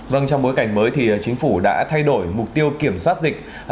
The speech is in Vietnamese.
vâng trong bối cảnh mới thì chính phủ đã thay đổi mục tiêu kiểm soát dịch